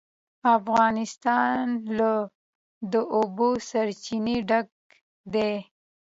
افغانستان له د اوبو سرچینې ډک دی.